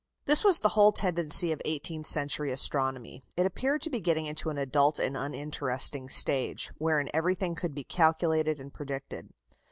This was the whole tendency of eighteenth century astronomy. It appeared to be getting into an adult and uninteresting stage, wherein everything could be calculated and predicted.